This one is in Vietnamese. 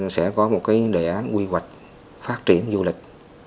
sẽ có một đề án quy hoạch phát triển du lịch